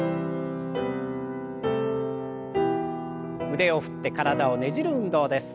腕を振って体をねじる運動です。